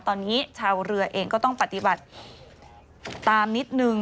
ตอนนี้ชาวเรือเองก็ต้องปฏิบัติตามนิดนึง